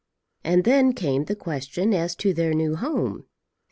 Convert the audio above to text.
And then came the question as to their new home.